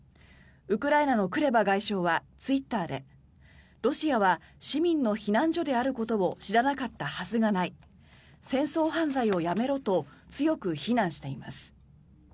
ウクライナのクレバ外相はツイッターでロシアは市民の避難所であることを知らなかったはずがない戦争犯罪をやめろと強く非難しています。